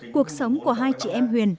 cuộc sống của hai chị em huyền